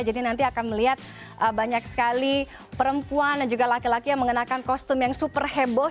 jadi nanti akan melihat banyak sekali perempuan dan juga laki laki yang mengenakan kostum yang super heboh